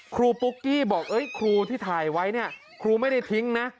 ปุ๊กกี้บอกครูที่ถ่ายไว้เนี่ยครูไม่ได้ทิ้งนะ